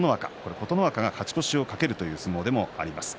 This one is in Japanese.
琴ノ若は勝ち越しを懸ける相撲でもあります。